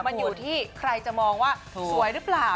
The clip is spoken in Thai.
มันอยู่ที่ใครจะมองว่าสวยหรือเปล่า